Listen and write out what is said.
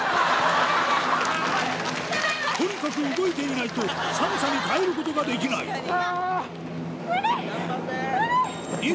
とにかく動いていないと寒さに耐えることができない無理！